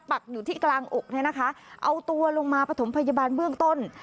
ปักอยู่ที่กลางอกเนี่ยนะคะเอาตัวลงมาปฐมพยาบาลเบื้องต้น